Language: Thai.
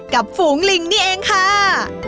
ฝูงลิงนี่เองค่ะ